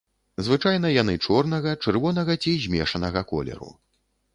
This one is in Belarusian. Звычайна яны чорнага, чырвонага ці змешанага колеру.